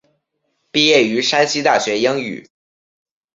毕业于山西大学英语。